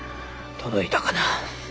届いたかな。